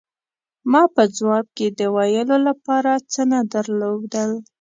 ما په ځواب کې د ویلو له پاره څه نه درلودل.